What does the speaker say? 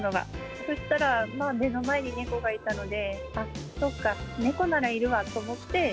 そしたら、目の前に猫がいたので、あっ、そうか、猫ならいるわと思って。